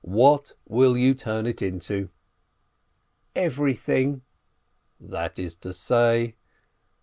What will you turn it into?" "Everything." "That is to say?"